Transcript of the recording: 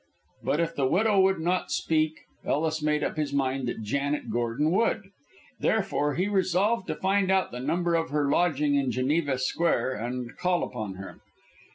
But if the widow would not speak, Ellis made up his mind that Janet Gordon should; therefore he resolved to find out the number of her lodging in Geneva Square, and call upon her.